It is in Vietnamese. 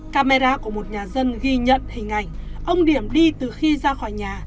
camera của một nhà dân ghi nhận hình ảnh ông điểm đi từ khi ra khỏi nhà